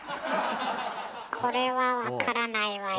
これは分からないわよ。